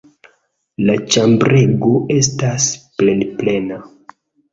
La ĉambrego estas plenplena.